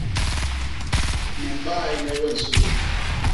Me mbaene we nsugi.